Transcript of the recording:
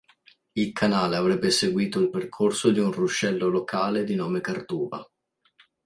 Il canale avrebbe seguito il percorso di un ruscello locale di nome Kartuva.